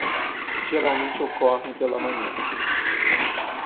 Geralmente ocorrem pela manhã.